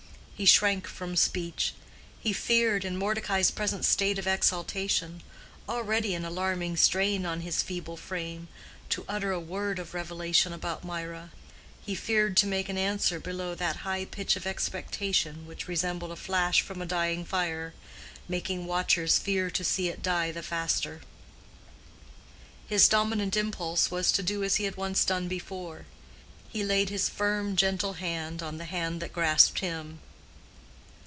He shrank from speech. He feared, in Mordecai's present state of exaltation (already an alarming strain on his feeble frame), to utter a word of revelation about Mirah. He feared to make an answer below that high pitch of expectation which resembled a flash from a dying fire, making watchers fear to see it die the faster. His dominant impulse was to do as he had once done before: he laid his firm, gentle hand on the hand that grasped him.